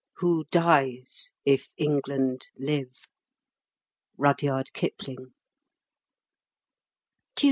Who dies if England live?" RUDYARD KIPLING. II. Le Mans.